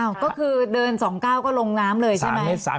อ้าวก็คือเดิน๒เก้าก็ลงน้ำเลยใช่ไหม